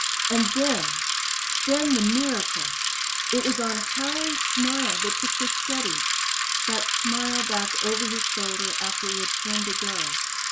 And then then the miracle! It was on Howie's smile the picture steadied that smile back over his shoulder after he had turned to go.